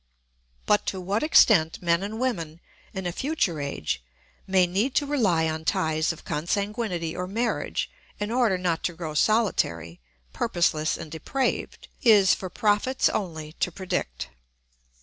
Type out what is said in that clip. But to what extent men and women, in a future age, may need to rely on ties of consanguinity or marriage in order not to grow solitary, purposeless, and depraved, is for prophets only to predict.